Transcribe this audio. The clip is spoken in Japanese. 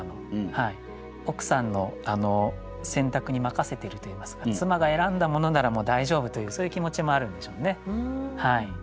奥さんの選択に任せてるといいますか妻が選んだものならもう大丈夫というそういう気持ちもあるんでしょうね。